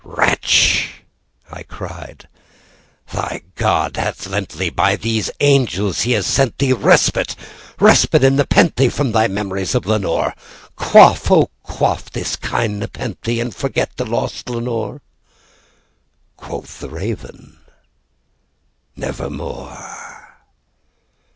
"Wretch," I cried, "thy God hath lent thee—by these angels he hath sent theeRespite—respite and nepenthe from thy memories of Lenore!"Quaff, oh quaff this kind nepenthe, and forget this lost Lenore."Quoth the Raven, "Nevermore."